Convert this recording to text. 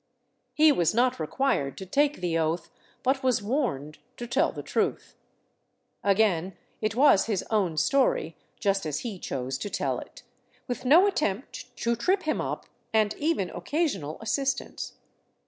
He was not required to take the oath, but was warned to tell the truth. Again it was his own story, just as he chose to tell it, with no attempt to trip him up, and even occasional assistance.